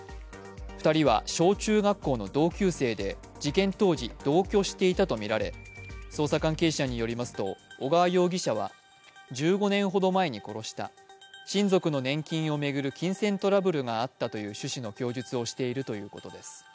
２人は小中学校の同級生で事件当時、同居していたとみられ捜査関係者によりますと小川容疑者は、１５年ほど前に殺した親族の年金を巡る金銭トラブルがあったという趣旨の供述をしているということです。